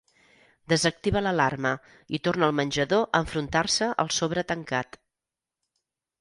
Desactiva l'alarma i torna al menjador a enfrontar-se al sobre tancat.